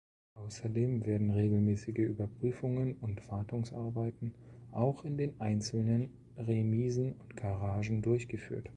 Außerdem werden regelmäßige Überprüfungen und Wartungsarbeiten auch in den einzelnen Remisen und Garagen durchgeführt.